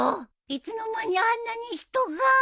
いつの間にあんなに人が。